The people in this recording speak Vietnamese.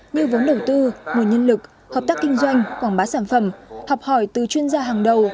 như vốn đầu tư nguồn nhân lực hợp tác kinh doanh quảng bá sản phẩm học hỏi từ chuyên gia hàng đầu